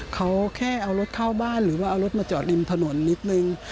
เขาแค่เอารถเข้าบ้านหรือว่าเอารถมาจอดริมถนนนิดนึง